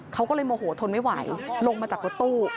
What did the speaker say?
เขาก็เลยโมโหทนไม่ไหวลงมาจากรถตู้